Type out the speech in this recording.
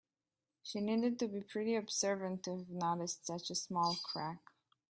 She needed to be pretty observant to have noticed such a small crack.